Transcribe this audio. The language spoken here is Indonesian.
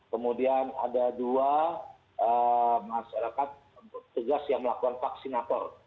kemudian ada dua masyarakat tegas yang melakukan vaksinator